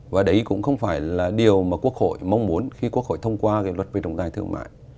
và đấy cũng không phải là điều mà quốc hội mong muốn khi quốc hội thông qua cái luật về trọng tài thương mại